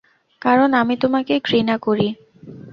কারণ আমি তোমাকে ঘৃণা করি।